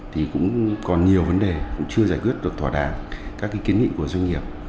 thì cũng còn nhiều vấn đề chưa giải quyết được thỏa đảng các kiến nghị của doanh nghiệp